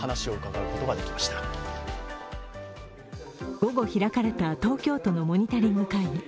午後開かれた東京都のモニタリング会議。